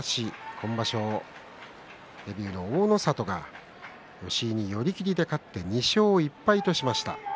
今場所デビューの大の里が吉井に寄り切りで勝って２勝１敗としました。